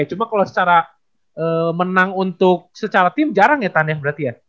cuma kalau secara menang untuk secara tim jarang ya tan ya berarti ya